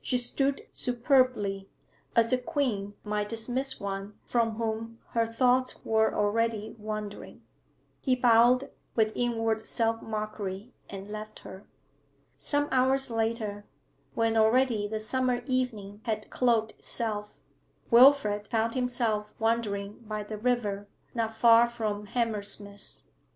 She stood superbly, as a queen might dismiss one from whom her thoughts were already wandering. He bowed, with inward self mockery, and left her. Some hours later, when already the summer evening had cloaked itself, Wilfrid found himself wandering by the river, not far from Hammersmith.